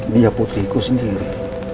dia putriku sendiri